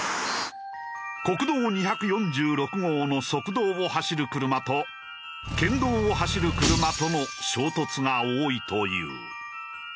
国道２４６号の側道を走る車と県道を走る車との衝突が多いという。